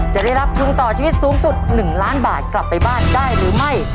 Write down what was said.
จะได้รับทุนต่อชีวิตสูงสุด๑ล้านบาทกลับไปบ้านได้หรือไม่